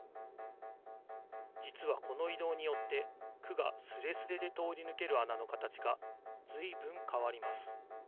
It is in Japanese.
じつはこのいどうによって「く」がスレスレでとおりぬけるあなのかたちがずいぶんかわります。